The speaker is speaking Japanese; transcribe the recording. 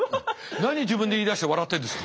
何自分で言いだして笑ってんですか。